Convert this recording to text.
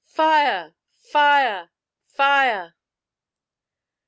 'FIRE! FIRE! FIRE!'